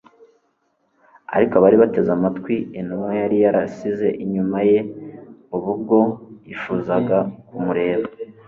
Ariko bari bateze amatwi intumwa yari yarasize inyuma ye, ubu bwo bifuzaga kumureba.